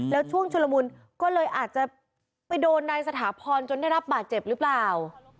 แล้วช่วงชุลมุนก็เลยอาจจะไปโดนนายสถาพรจนได้รับบาดเจ็บหรือเปล่า